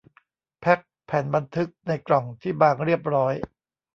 แพ็คแผ่นบันทึกในกล่องที่บางเรียบร้อย